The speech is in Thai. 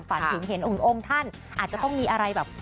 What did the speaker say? ฝันถึงเห็นองค์ท่านอาจจะต้องมีอะไรแบบ